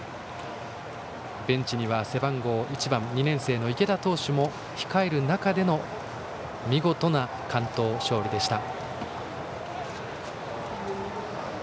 ベンチには背番号１番２年生の池田投手も控える中での見事な完投勝利でした。